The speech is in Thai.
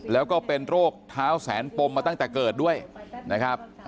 แล้วก็เป็นโรคเท้าแสนปมมาตั้งแต่เกิดด้วยนะครับ